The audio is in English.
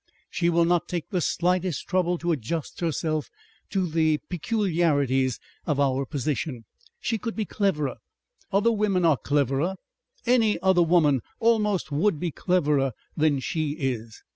"She will not take the slightest trouble to adjust herself to the peculiarities of our position.... She could be cleverer. Other women are cleverer. Any other woman almost would be cleverer than she is."